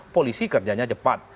polisi kerjanya cepat